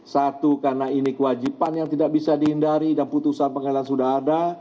satu karena ini kewajiban yang tidak bisa dihindari dan putusan pengadilan sudah ada